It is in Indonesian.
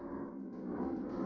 kabur lagi kejar kejar kejar